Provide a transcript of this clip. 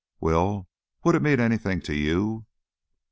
Will would it mean anything to you?"